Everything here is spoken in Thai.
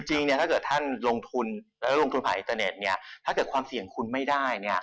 จริงถ้าเธอลงทุนภาคอินเทอร์เน็ตถ้าเกิดความเสี่ยงคุณไม่ได้